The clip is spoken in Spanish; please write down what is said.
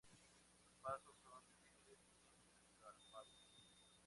Los pasos son difíciles y escarpados.